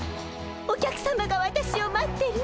お客さまが私を待ってる。